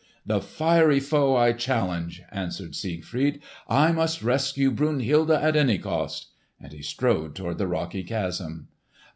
"The fiery foe I challenge!" answered Siegfried. "I must rescue Brunhilde at any cost." And he strode toward the rocky chasm.